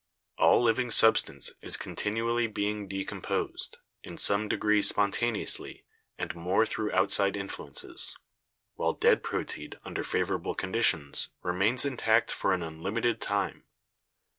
All living substance is continually being decom posed, in some degree spontaneously and more through outside influences, while dead proteid under favorable con ditions remains intact for an unlimited time.